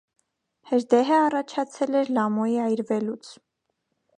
Հրդեհը առաջացել էր լամօի այրվելուց։